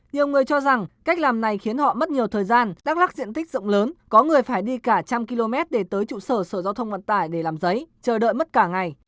nhiều người cho rằng cách làm này khiến họ mất nhiều thời gian đắk lắc diện tích rộng lớn có người phải đi cả trăm km để tới trụ sở sở giao thông vận tải để làm giấy chờ đợi mất cả ngày